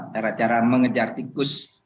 cara cara mengejar tikus